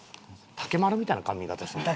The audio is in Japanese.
武丸みたいな髪形しとるな。